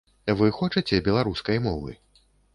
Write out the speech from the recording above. Вы хочаце беларускай мовы?